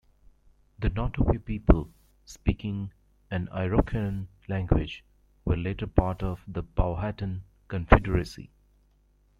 The Nottoway people, speaking an Iroquoian language, were later part of the Powhatan Confederacy.